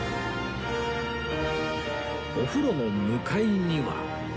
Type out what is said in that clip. お風呂の向かいには